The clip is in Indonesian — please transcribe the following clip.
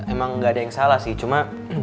emang gak ada yang salah sih cuma